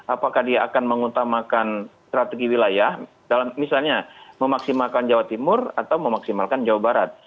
apakah dia akan mengutamakan strategi wilayah dalam misalnya memaksimalkan jawa timur atau memaksimalkan jawa barat